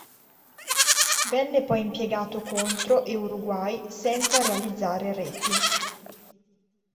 Venne poi impiegato contro e Uruguay, senza realizzare reti.